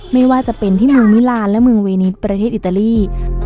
ไม่ว่าจะเป็นที่เมืองมิลานและเมืองเวนิสประเทศอิตาลี